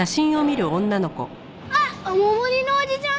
あっお守りのおじちゃんだ！